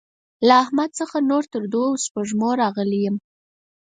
له احمد څخه نور تر دوو سپږمو راغلی يم.